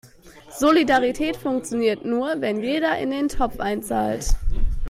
Solidarität funktioniert nur, wenn jeder in den Topf einzahlt.